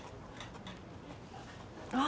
あ。